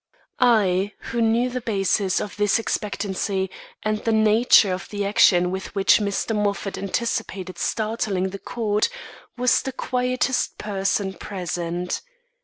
I, who knew the basis of this expectancy and the nature of the action with which Mr. Moffat anticipated startling the court, was the quietest person present.